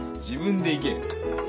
自分でいけよ。